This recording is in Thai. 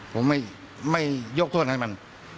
ผมไม่ยกโทษให้มัน